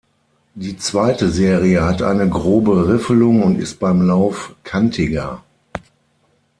Die zweite Serie hat eine grobe Riffelung und ist beim Lauf "kantiger".